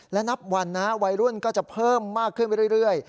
และนับวันนะวัยรุ่นก็จะเพิ่มมากขึ้นไปเรื่อย